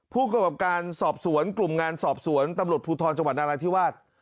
ผู้กรรมการกลุ่มงานสอบสวนตำรวจภูทธรณ์จังหวัดนราธิวาส